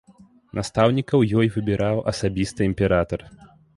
Настаўнікаў ёй выбіраў асабіста імператар.